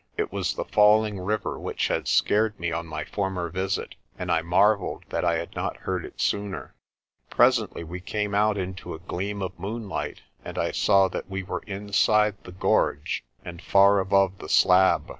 It was the falling river which had scared me on my former visit and I marvelled that I had not heard it sooner. Presently we came out into a gleam of moonlight and I saw that we were inside the gorge and far above the slab.